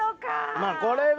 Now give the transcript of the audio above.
まぁこれは。